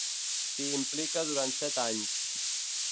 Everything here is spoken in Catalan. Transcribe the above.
S'hi implica durant set anys.